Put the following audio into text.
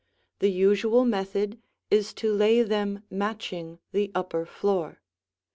The usual method is to lay them matching the upper floor.